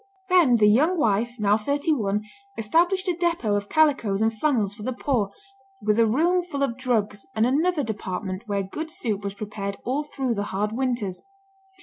Then the young wife, now thirty one, established a depot of calicoes and flannels for the poor, with a room full of drugs, and another department where good soup was prepared all through the hard winters.